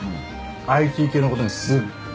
ＩＴ系のことにすっごい強いの。